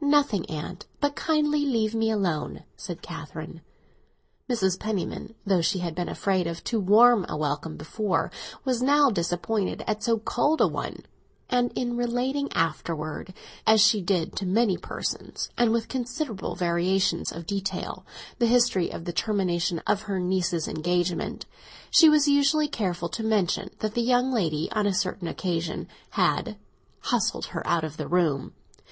"Nothing, aunt, but kindly leave me alone," said Catherine. Mrs. Penniman, though she had been afraid of too warm a welcome before, was now disappointed at so cold a one; and in relating afterwards, as she did to many persons, and with considerable variations of detail, the history of the termination of her niece's engagement, she was usually careful to mention that the young lady, on a certain occasion, had "hustled" her out of the room.